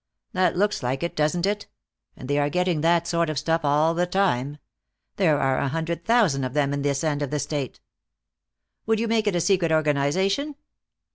"That looks like it, doesn't it? And they are getting that sort of stuff all the time. There are a hundred thousand of them in this end of the state." "Would you make it a secret organization?"